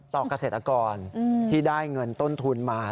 เกษตรกรที่ได้เงินต้นทุนมา